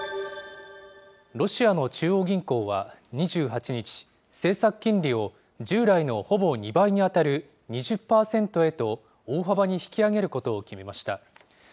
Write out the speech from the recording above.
ロシアの中央銀行は２８日、政策金利を従来のほぼ２倍に当たる２０％へと、大幅に引き上げることを決めました。